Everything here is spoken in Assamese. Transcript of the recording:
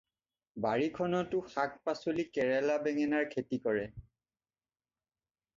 বাৰীখনতো শাক-পাচলি, কেৰেলা-বেঙেনাৰ খেতি কৰে।